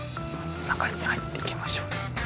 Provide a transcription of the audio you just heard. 中に入っていきましょう。